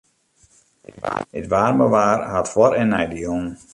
It waarme waar hat foar- en neidielen.